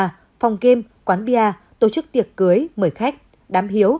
phòng game quán bia tổ chức tiệc cưới mời khách đám hiếu